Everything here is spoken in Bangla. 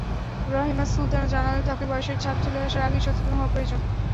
রাহিমা সুলতানা জানালেন, ত্বকে বয়সের ছাপ চলে আসার আগেই সচেতন হওয়া প্রয়োজন।